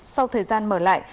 sau thời gian mở lại